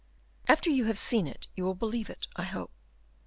After you have seen it you will believe it, I hope."